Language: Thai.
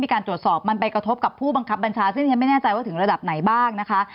การตรวจสอบมันไปกระทบกับผู้บังคับบัญชาซึ่งยังไม่แน่ใจว่าถึงระดับไหนบ้างนะคะ